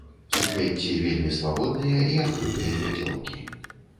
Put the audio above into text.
Суквецці вельмі свабодныя і адкрытыя мяцёлкі.